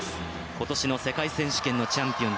今年の世界選手権のチャンピオン。